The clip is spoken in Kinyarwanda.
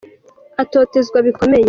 atotezwa bikomeye.